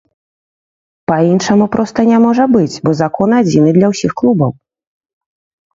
Па-іншаму проста не можа быць, бо закон адзіны для ўсіх клубаў.